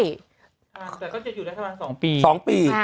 แต่ก็จะอยู่รัฐธรรมนูล๒ปี